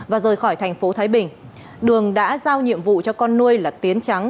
và rời khỏi thành phố thái bình đường đã giao nhiệm vụ cho con nuôi là tiến trắng